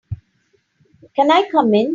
Can I come in?